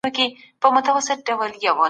روښانه فکر فشار نه جوړوي.